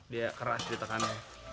dia keras ditekannya